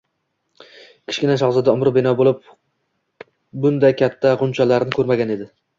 Kichkina shahzoda umri bino bo'lib bunday katta g‘unchalarni ko‘rmagan edi